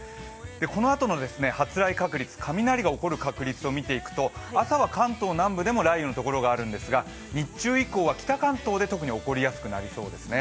このあとの発雷確率、雷が起こる確率を見ていくと朝は関東南部でも雷雨のところがあるのですが、日中以降は北関東で特に起こりやすくなりそうですね。